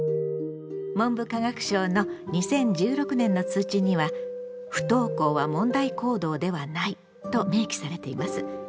文部科学省の２０１６年の通知には「不登校は問題行動ではない」と明記されています。